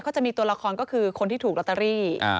จะมีตัวละครก็คือคนที่ถูกลอตเตอรี่